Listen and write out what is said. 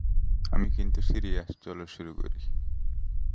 আমি কিন্তু সিরিয়াস, চলো শুরু করি।